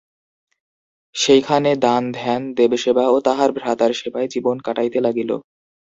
সেই খানে দান, ধ্যান, দেবসেবা ও তাহার ভ্রাতার সেবায় জীবন কাটাইতে লাগিল।